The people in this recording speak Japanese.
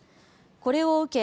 これを受け